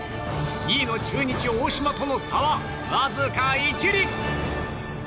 ２位の中日、大島との差はわずか１厘。